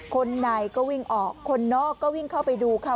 คนในก็วิ่งออกคนนอกก็วิ่งเข้าไปดูค่ะ